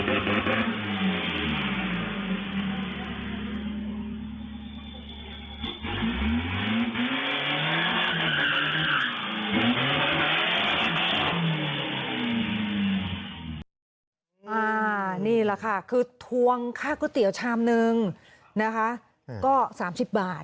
นี่แหละค่ะคือทวงค่าก๋วยเตี๋ยวชามนึงนะคะก็๓๐บาท